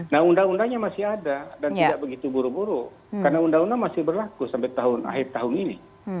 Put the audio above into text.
nah undang undangnya masih ada dan tidak begitu buru buru karena undang undang masih berlaku sampai akhir tahun ini